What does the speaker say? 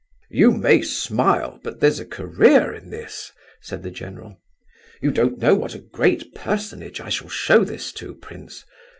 "You may smile,—but there's a career in this," said the general. "You don't know what a great personage I shall show this to, prince.